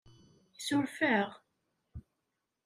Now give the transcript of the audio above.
Isuref-aɣ?